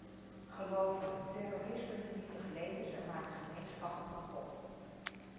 Geloof me, terrorisme vernietigt levens en maakt gemeenschappen kapot.